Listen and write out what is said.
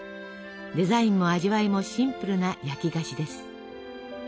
デザインも味わいもシンプルな焼き菓子です。